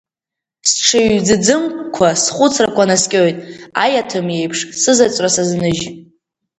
Сҽыҩ-ӡыӡымкқәа схәыцрақәа наскьоит, аиаҭым иеиԥш, сызаҵәра сазныжь.